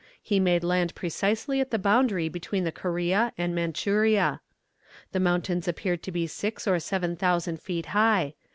He made land precisely at the boundary between the Corea and Manchuria. The mountains appeared to be six or seven thousand feet high.